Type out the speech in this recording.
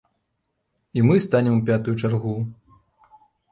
І мы станем у пятую чаргу.